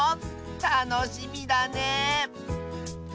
たのしみだね！